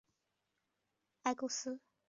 埃勾斯不明白这个神谕是什么意思。